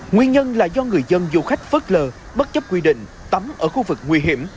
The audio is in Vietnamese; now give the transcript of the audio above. nguyên nhân là do người dân du khách vớt lờ bất chấp quy định tắm ở khu vực nguy hiểm